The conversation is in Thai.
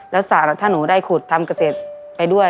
แล้วถ้าหนูได้ขุดทำเกษตรไปด้วย